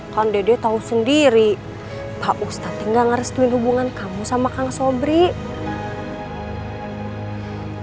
kan dede tau sendiri pak ustadz gak ngerestuin hubungan kamu sama kang sobrite